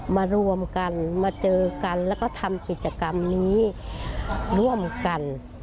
มารวมกันมาเจอกันแล้วก็ทำกิจกรรมนี้ร่วมกัน